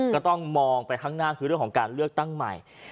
ก็ต้องมองไปข้างหน้าคือเรื่องของการเลือกตั้งใหม่